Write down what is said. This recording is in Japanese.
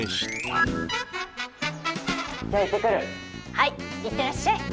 はいいってらっしゃい。